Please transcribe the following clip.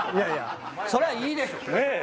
それはいいでしょ！